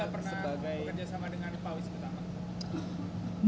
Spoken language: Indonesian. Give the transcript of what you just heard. sebelumnya sudah pernah bekerja sama dengan pak wis utama